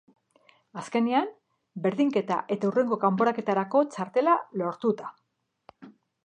Azkenean, berdinketa eta hurrengo kanporaketarako txartela lortuta.